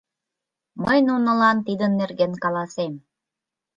— Мый нунылан тидын нерген каласем.